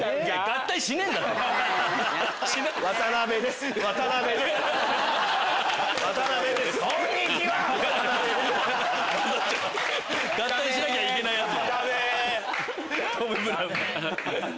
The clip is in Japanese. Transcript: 合体しなきゃいけないやつ。